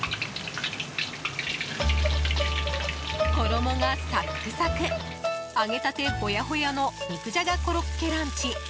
衣がサックサク揚げたてホヤホヤの肉じゃがコロッケランチ。